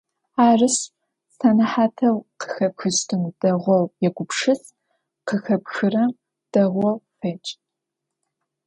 Арышъ, сэнэхьатэу къыхэпхыщтым дэгъоу егупшыс, къыхэпхрэм дэгъоу федж!